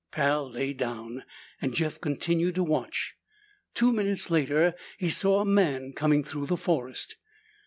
Pal lay down and Jeff continued to watch. Two minutes later he saw a man coming through the forest.